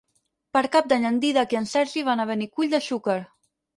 Per Cap d'Any en Dídac i en Sergi van a Benicull de Xúquer.